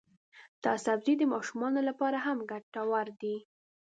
دا سبزی د ماشومانو لپاره هم ګټور دی.